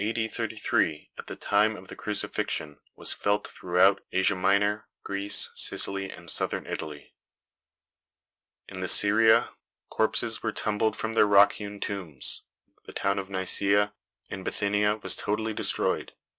D. 33, at the time of the crucifixion, was felt throughout Asia Minor, Greece, Sicily and Southern Italy. In the Syria corpses were tumbled from their rock hewn tombs. The town of Nicaea, in Bithynia, was totally destroyed.